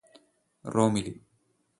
റോമിലി